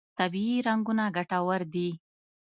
طبیعي رنګونه ګټور دي.